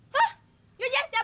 hah yuk jess cabut